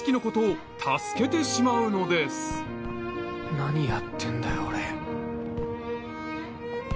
何やってんだよ俺